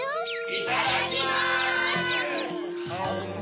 いただきます！